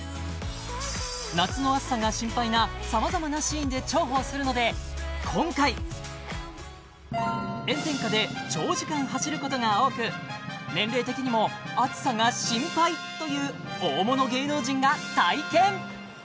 夏の暑さが心配なさまざまなシーンで重宝するので今回炎天下で長時間走ることが多く年齢的にも暑さが心配という大物芸能人が体験！